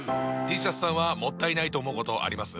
Ｔシャツさんはもったいないと思うことあります？